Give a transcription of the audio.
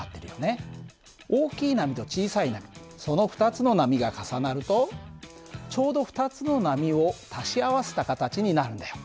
大きい波と小さい波その２つの波が重なるとちょうど２つの波を足し合わせた形になるんだよ。